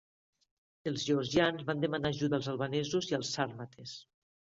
Els georgians van demanar ajuda als albanesos i als sàrmates.